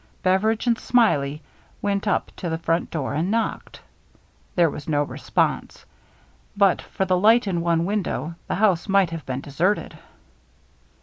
Beveridge and Smiley went up to the front door and knocked. There was no response. But for the light in one window, the house might have been deserted.